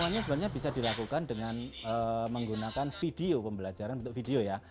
semuanya sebenarnya bisa dilakukan dengan menggunakan video pembelajaran bentuk video ya